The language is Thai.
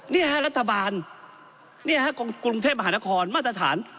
เนี้ยฮะรัฐบาลเนี้ยฮะกรุงเทพมหานครมาตรฐาน